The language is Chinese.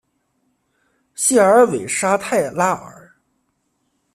谢尔韦沙泰拉尔。